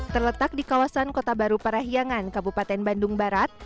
terletak di kawasan kota baru parahyangan kabupaten bandung barat